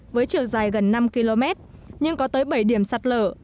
với chiều dài gần năm km nhưng có tới bảy điểm sạt lở